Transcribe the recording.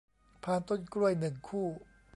พานต้นกล้วย หนึ่ง คู่